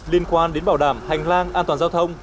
liên quan đến bảo đảm hành lang an toàn giao thông